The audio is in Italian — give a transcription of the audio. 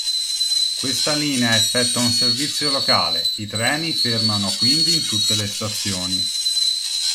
Questa linea effettua un servizio locale, i treni fermano quindi in tutte le stazioni.